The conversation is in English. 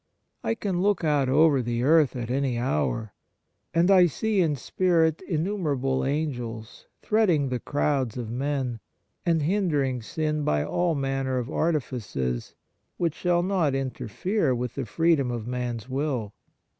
I can look out over the earth at any hour, and I see in spirit innumerable Angels threading the crowds of men and hindering sin by all manner of artifices which shall not inter fere with the freedom of man's will.